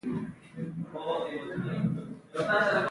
مځکه د ماشوم خندا خوښوي.